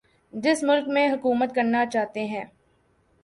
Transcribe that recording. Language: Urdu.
جس ملک میں حکومت کرنا چاہتے ہیں